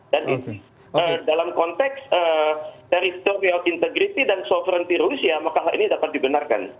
dan dalam konteks terhistori of integrity dan sovereignty rusia maka hal ini dapat dibenarkan